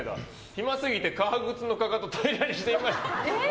暇すぎて革靴のかかと平らにしてみました。